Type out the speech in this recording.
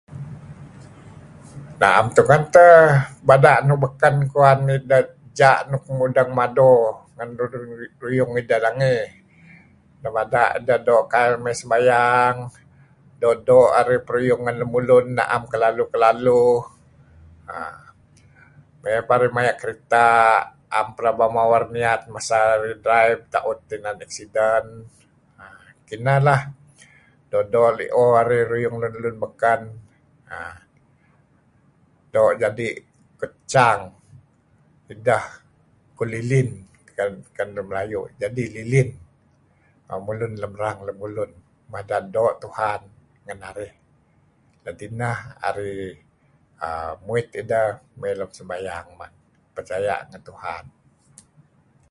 Naem tungen teh bada' nuk baken kuh kuan ja' nuk mudeng mado ngen lun ruyung ideh nangey iih. Nebada' ideh doo' kail may sembayang, doo'-doo' arih peruyung ngen lemulun, am selalu-selalu uhm may peh maya' kereta naem pelaba mawer niat masa narih tauh idih siden. Ineh lah. Doo'-doo' arih ruyung lun baken uhm doo' jadi' kucang ideh, kuh lilin ken Lun Melayu', jadi lilin am mulun rang lemulun mada' doo' Tuhan ngen narih. Kadi' kineh arih muit ideh lm sembayang arih percaya' ngen Tuhan.